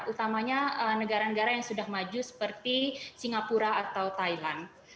utamanya negara negara yang sudah maju seperti singapura atau thailand